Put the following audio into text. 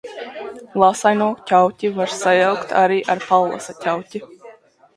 Lāsaino ķauķi var sajaukt arī ar Pallasa ķauķi.